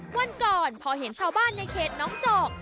วันก่อนพอเห็นชาวบ้านในเขตน้องจอก